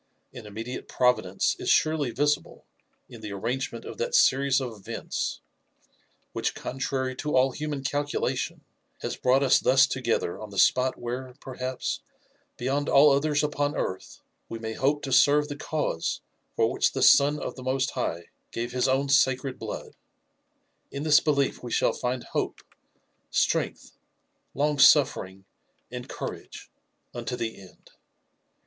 An immediate Providence is surely visible in the arrangement of that series of events which, contrary to all human calculation, has brought us thus together on the spot where, perhaps, beyond all others upon earth, we may hope to serve the cause for which the Son of the Most High gave his own sacred blood. In this belief we shall find hope, Itrength, long suffering,* and courage, unto the end.